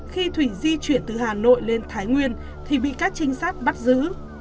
khi thủy di chuyển từ hà nội lên thái nguyên thì bị các trinh sát bắt giữ